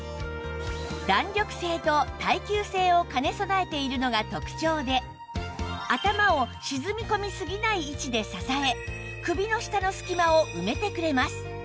弾力性と耐久性を兼ね備えているのが特長で頭を沈み込みすぎない位置で支え首の下の隙間を埋めてくれます